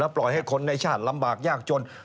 ปล่อยให้คนในชาติลำบากยากจน